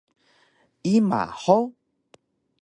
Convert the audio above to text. Ima hug?